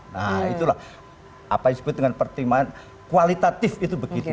nah itulah apa yang disebut dengan pertimbangan kualitatif itu begitu